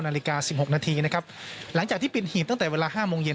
นาฬิกา๑๖นาทีนะครับหลังจากที่ปิดหีบตั้งแต่เวลา๕โมงเย็น